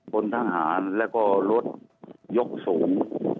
คนทางหารและรถยกสูง